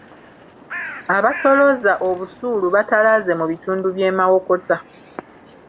Abasolooza obusuulu baatalaaze mu bitundu by’e Mawokota.